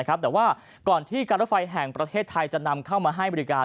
แต่ว่าก่อนที่การรถไฟแห่งประเทศไทยจะนำเข้ามาให้บริการ